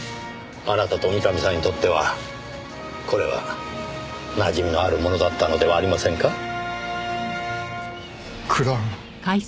あなたと三上さんにとってはこれはなじみのあるものだったのではありませんか？